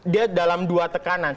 dia dalam dua tekanan